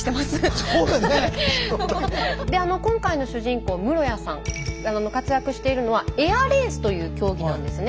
で今回の主人公室屋さん活躍しているのはエアレースという競技なんですね。